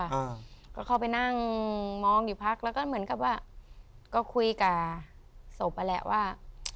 อ่าก็เข้าไปนั่งมองอยู่พักแล้วก็เหมือนกับว่าก็คุยกับศพนั่นแหละว่า